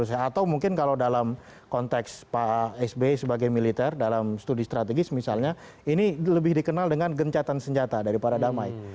atau mungkin kalau dalam konteks pak sby sebagai militer dalam studi strategis misalnya ini lebih dikenal dengan gencatan senjata daripada damai